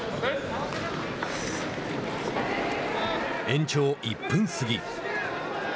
延長１分過ぎ。